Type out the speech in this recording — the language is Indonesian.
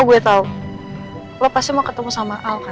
oh gue tau lo pasti mau ketemu sama al kan